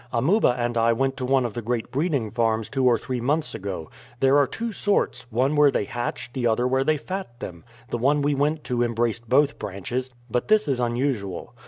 "Amuba and I went to one of the great breeding farms two or three months ago. There are two sorts one where they hatch, the other where they fat them. The one we went to embraced both branches, but this is unusual.